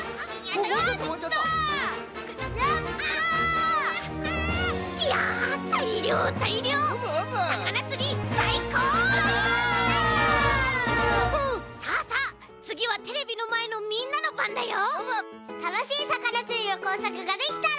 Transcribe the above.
たのしいさかなつりのこうさくができたら。